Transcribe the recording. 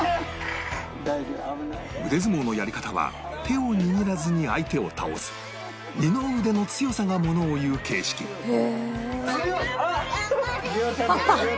腕相撲のやり方は手を握らずに相手を倒す二の腕の強さがものをいう形式へえ！